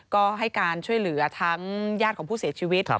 ก็ให้การช่วยเหลือทั้งญาติของผู้เสียชีวิต